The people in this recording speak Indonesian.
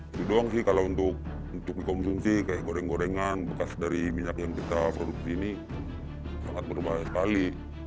itu doang sih kalau untuk dikonsumsi kayak goreng gorengan bekas dari minyak yang kita produksi ini sangat berbahaya sekali